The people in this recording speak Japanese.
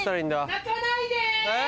・泣かないで！